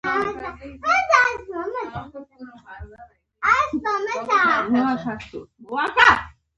شوروي اتحاد مشرانو باید بنسټونه له منځه وړي وای.